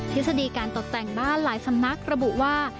ทฤษฎีการตกแต่งบ้านหลายสำนักระบุว่า